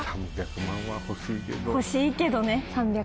欲しいけどね。